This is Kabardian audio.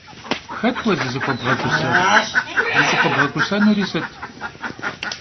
Хэт уэ зызыхуэбгъэгусэр? ЗыщӀыхуэбгъэгусэнури сыт?